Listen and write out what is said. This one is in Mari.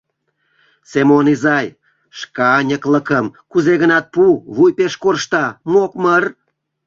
Семон изай, шканьыклыкым кузе-гынат пу, вуй пеш коршта, мокмыр.